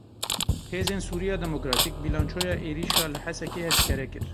Hêzên Sûriya Demokratîk bilançoya êrişa li Hesekê eşkere kir.